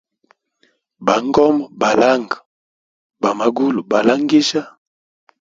Bangoma ba langa, bamangulu balangilijya.